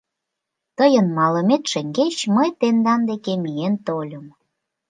Тыйын малымет шеҥгеч мый тендан деке миен тольым...